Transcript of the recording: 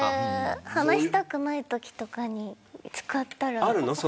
話したくないときとかに使ったら。